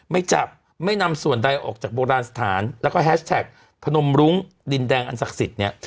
ไม่จับไม่นำส่วนใดออกจากโบราณสถานแล้วก็แฮชแท็กพนมรุ้งดินแดงอันศักดิ์สิทธิ์เนี่ย